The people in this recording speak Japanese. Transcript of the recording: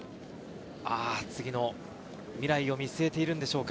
次の未来を見据えているんでしょうか？